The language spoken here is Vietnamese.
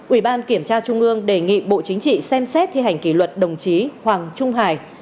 ủy ban kiểm tra trung ương đề nghị bộ chính trị xem xét thi hành kỷ luật đồng chí hoàng trung hải